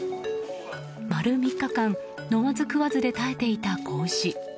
まる３日間飲まず食わずで耐えていた子牛。